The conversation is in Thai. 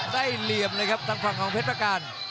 เหลี่ยมเลยครับทางฝั่งของเพชรประการ